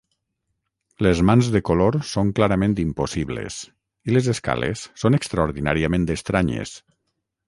Les mans de color són clarament impossibles, i les escales són extraordinàriament estranyes.